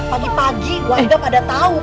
pagi pagi warga pada tahu